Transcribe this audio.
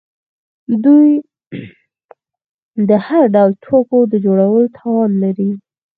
دوی د هر ډول توکو د جوړولو توان لري.